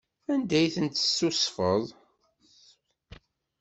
Anda i ten-tessusfeḍ?